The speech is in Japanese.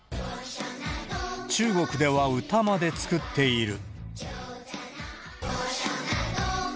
中国では歌まで作っている。